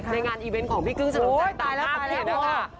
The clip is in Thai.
ในงานอีเวนต์ของพี่กึ้งชะลมชายต่างห้าเทียดนะคะ